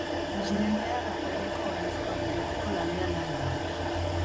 Presidentea dagoeneko ordezkoa bilatzeko lanean ari da.